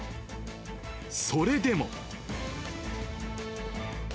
それでも。